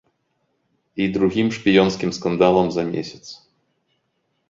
І другім шпіёнскім скандалам за месяц.